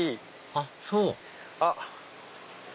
あっそうあっ。